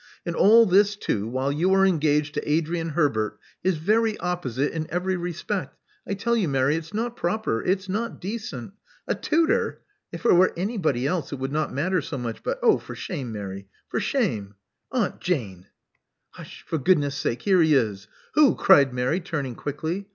And all this too while you are engaged to Adrian Herbert, his very opposite in every respect. I tell you, Mary, it's not proper: it's not decent. A tutor! If it were anybody else it would not matter so much; but Oh for shame, Mary, for shame!" Aunt Jane " Hush, for goodness sake. Here he is." *'Who?" cried Mary, turning quickly.